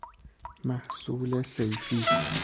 محصول صیفی